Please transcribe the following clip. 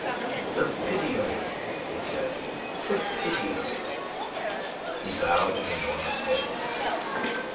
"The pity of it!" he said. "The pity of it!" He bowed his enormous head.